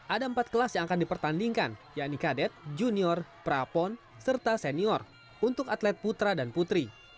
ada empat kelas yang akan dipertandingkan yakni kadet junior prapon serta senior untuk atlet putra dan putri